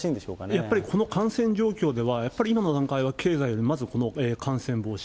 やっぱりこの感染状況では、やっぱり、今の段階は経済よりもまずこの感染防止。